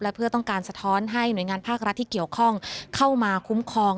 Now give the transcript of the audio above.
เพื่อต้องการสะท้อนให้หน่วยงานภาครัฐที่เกี่ยวข้องเข้ามาคุ้มครอง